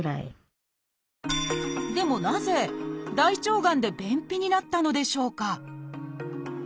でもなぜ大腸がんで便秘になったのでしょうか？